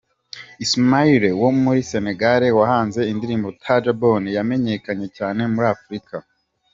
Ismael wo muri Senegal wahanze indirimbo ’Tajabone’ yamenyekanye cyane muri Afurika